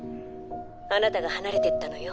あなたが離れていったのよ。